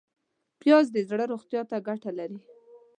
پیاز د زړه روغتیا ته ګټه لري